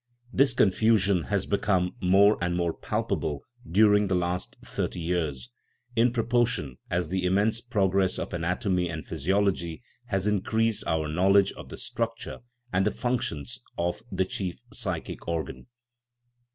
This confusion has become more and more palpable during the last thirty years, in proportion as the immense progress of anatomy and physiology has increased our knowledge of the structure and the functions of the chief psychic organ.